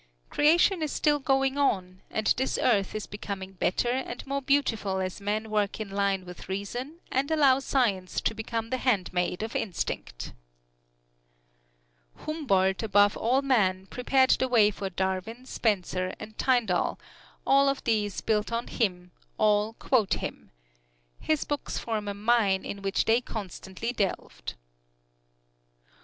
Creation is still going on, and this earth is becoming better and more beautiful as men work in line with reason and allow science to become the handmaid of instinct. Humboldt, above all men, prepared the way for Darwin, Spencer and Tyndall all of these built on him, all quote him. His books form a mine in which they constantly delved.